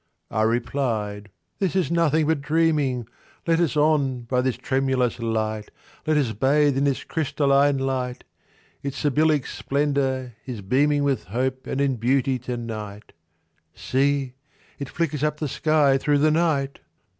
I replied—"This is nothing but dreaming. Let us on, by this tremulous light! Let us bathe in this crystalline light! Its Sybillic splendor is beaming With Hope and in Beauty to night— See!—it flickers up the sky through the night!